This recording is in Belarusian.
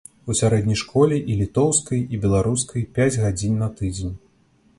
У сярэдняй школе і літоўскай, і беларускай пяць гадзін на тыдзень.